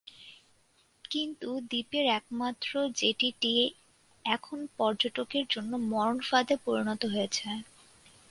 কিন্তু দ্বীপের একমাত্র জেটিটি এখন পর্যটকদের জন্য মরণ ফাঁদে পরিণত হয়েছে।